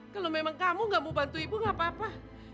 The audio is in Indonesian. kalau memang kamu gak mau bantu ibu gak apa apa